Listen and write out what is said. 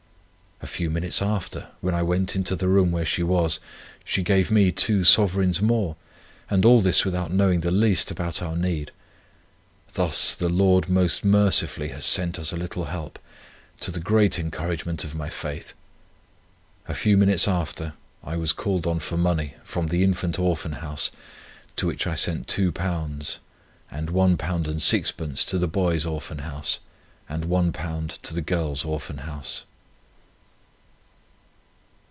A few minutes after, when I went into the room where she was, she gave me two sovereigns more, and all this without knowing the least about our need. Thus the Lord most mercifully has sent us a little help, to the great encouragement of my faith. A few minutes after I was called on for money from the Infant Orphan House, to which I sent £2, and £1 0s. 6d. to the Boys' Orphan House, and £1 to the Girls' Orphan House."